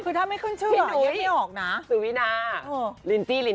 คือถ้าไม่ขึ้นชื่อสุวินาลินจิ